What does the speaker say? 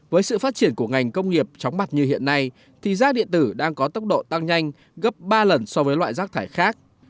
với sự phát triển của ngành công nghiệp chóng mặt như hiện nay thì rác điện tử đang có tốc độ tăng nhanh gấp ba lần so với loại rác thải khác